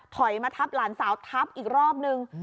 มาทับหลานสาวทับอีกรอบนึง